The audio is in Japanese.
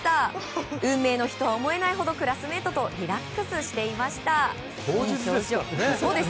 運命の日とは思えないほどクラスメートとリラックスしていました。